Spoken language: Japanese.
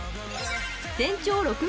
［全長６ｍ］